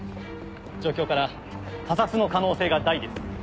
状況から他殺の可能性が大です。